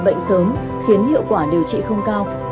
bệnh sớm khiến hiệu quả điều trị không cao